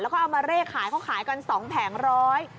แล้วก็เอามาเลขขายเขาขายกัน๒แผงร้อย